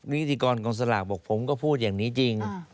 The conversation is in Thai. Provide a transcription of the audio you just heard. นิติกรกองสลากบอกผมก็พูดอย่างนี้จริง